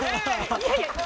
いやいや。